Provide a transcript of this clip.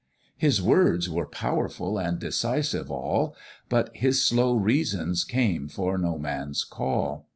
His words were powerful and decisive all, But his slow reasons came for no man's call.